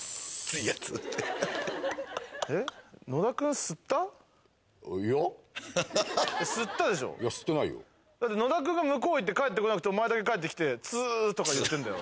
いや吸ってないよだって野田君が向こう行って帰ってこなくてお前だけ帰ってきて「ツー」とか言ってんだよ